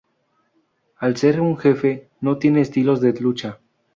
Al ser un jefe, no tiene estilos de lucha.